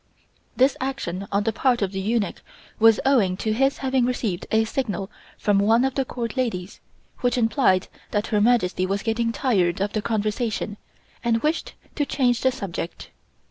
This action on the part of the eunuch was owing to his having received a signal from one of the Court ladies, which implied that Her Majesty was getting tired of the conversation, and wished to change the subject.